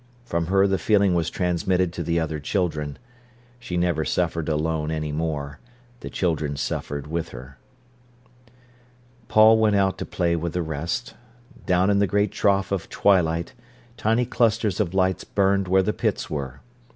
From her the feeling was transmitted to the other children. She never suffered alone any more: the children suffered with her. Paul went out to play with the rest. Down in the great trough of twilight, tiny clusters of lights burned where the pits were.